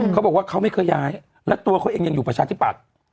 เขาบอกว่าเขาไม่เคยย้ายและตัวเขาเองยังอยู่ประชาธิปัตย์